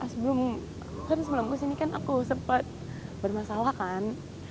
sebelum kan semalam aku disini kan aku sempat bermasalah kan